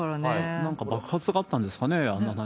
なんか爆発があったんですかね。